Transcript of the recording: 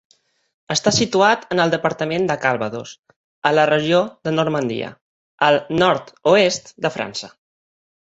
Està situat en el departament de Calvados, a la regió de Normandia, al nord-oest de França.